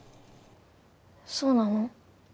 そうなの？